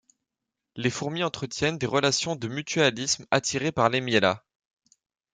Les fourmis entretiennent des relations de mutualisme, attirées par les miellats.